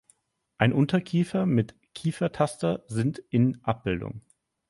Ein Unterkiefer mit Kiefertaster sind in Abb.